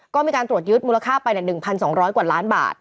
ก็มีการตรวจยึดมูลค่าไป๑๒๐๐กว่าล้านบาท